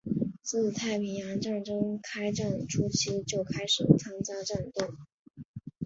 自太平洋战争开战初期就开始参加战斗。